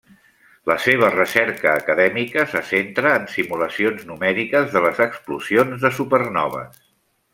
La seva recerca acadèmica se centra en simulacions numèriques de les explosions de supernoves.